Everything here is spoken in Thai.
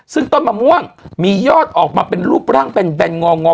ซึ่งต้นมะม่วงมียอดออกมาเป็นรูปร่างแบนงองอ